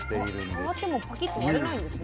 あ触ってもパキッと割れないんですね。